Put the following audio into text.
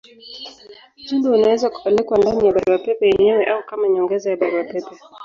Ujumbe unaweza kupelekwa ndani ya barua pepe yenyewe au kama nyongeza ya barua pepe.